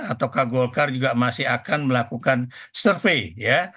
ataukah golkar juga masih akan melakukan survei ya